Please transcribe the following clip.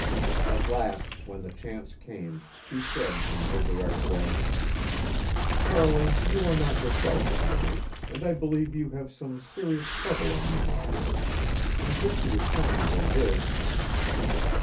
At last, when the chance came, she said in her direct way: "Charlie, you are not yourself to night, and I believe you have some serious trouble on your mind. I wish you would tell me what it is."